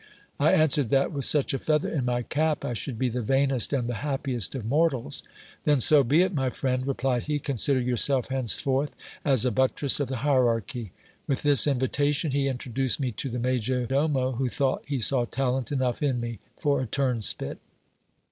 I answered that, with such a feather in my cap, I should be the vainest and the happiest of mortals. Then so be it, my friend, replied he ; consider yourself henceforth as a buttress of the hierarchy. With this invitation, he introduced me to the major domo, who thought he saw talent enough in me for a turnspit.